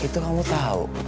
itu kamu tau